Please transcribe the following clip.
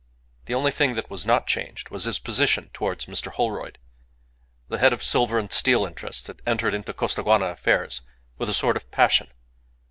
The only thing that was not changed was his position towards Mr. Holroyd. The head of silver and steel interests had entered into Costaguana affairs with a sort of passion.